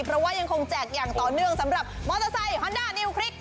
เพราะว่ายังคงแจกอย่างต่อเนื่องสำหรับมอเตอร์ไซค์ฮอนด้านิวคลิก